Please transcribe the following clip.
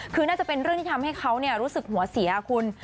คือน่าจะเป็นเรื่องที่ทำให้เขารู้สึกหัวเสียคุณ